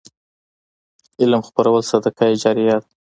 علم خپرول صدقه جاریه ده.